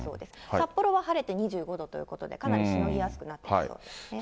札幌は晴れて２５度ということで、かなりしのぎやすくなってきそうですね。